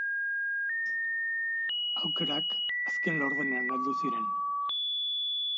Aukerak azken laurdenean heldu ziren.